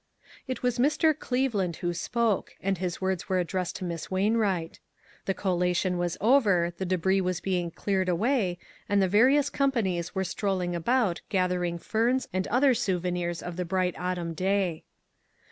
It was Mr. Cleveland who spoke, and his words were addressed to Miss Wain wright. The collation was over, the debris was being cleared away, and the various companies were strolling about gathering ferns and other souvenirs of the bright autumn day.